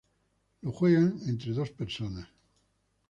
Lo juegan entre dos personas.